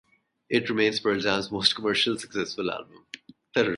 It remains Pearl Jam's most commercially successful album.